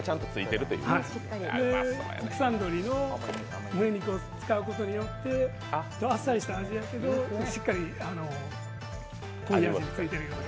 国産鶏のむね肉を使うことによって、あっさりやけどしっかり濃い味がついてる。